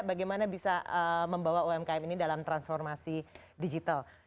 bagaimana bisa membawa umkm ini dalam transformasi digital